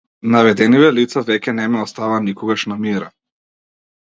Наведениве лица веќе не ме оставаа никогаш на мира.